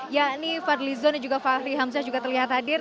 yakni fadlizon dan juga fahri hamzah juga terlihat hadir